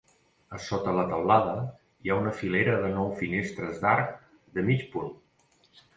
A sota la teulada hi ha una filera de nou finestres d'arc de mig punt.